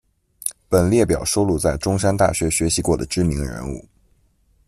本列表收录在中山大学学习过的知名人物。